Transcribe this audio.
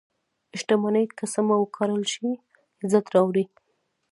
• شتمني که سمه وکارول شي، عزت راوړي.